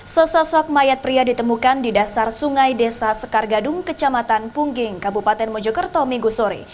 sesosok mayat pria ditemukan di dasar sungai desa sekar gadung kecamatan pungging kabupaten mojokerto minggu sore